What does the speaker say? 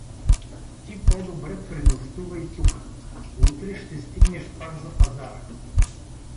… Ти по-добре пренощувай тука; утре ще стигнеш пак за пазара.